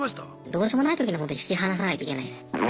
どうしようもない時にはホント引き離さないといけないです。